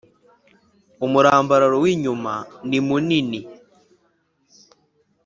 umurambararo w inyumanimunini